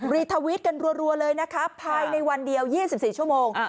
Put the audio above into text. รีทวิตกันรัวเลยนะคะภายในวันเดียว๒๔ชั่วโมง